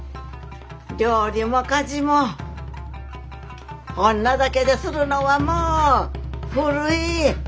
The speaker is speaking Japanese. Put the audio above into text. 料理も家事も女だけでするのはもう古い。